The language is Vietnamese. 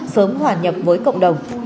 sớm hoàn nhập với cộng đồng